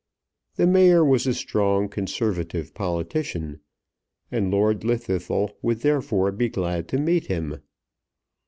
The Mayor was a strong conservative politician, and Lord Llwddythlw would therefore be glad to meet him.